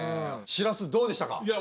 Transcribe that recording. しらすどうでしたか？